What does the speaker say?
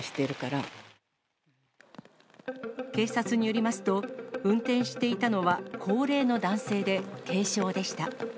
警察によりますと、運転していたのは、高齢の男性で軽傷でした。